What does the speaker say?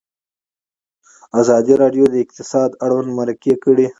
ازادي راډیو د اقتصاد اړوند مرکې کړي.